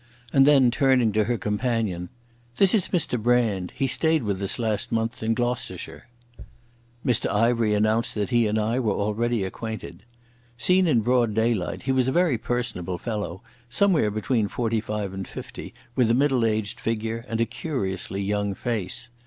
And then, turning to her companion—"This is Mr Brand. He stayed with us last month in Gloucestershire." Mr Ivery announced that he and I were already acquainted. Seen in broad daylight he was a very personable fellow, somewhere between forty five and fifty, with a middle aged figure and a curiously young face.